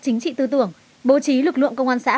chính trị tư tưởng bố trí lực lượng công an xã